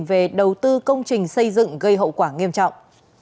về đầu tư công trình xây dựng gây hậu quả nghiêm trọng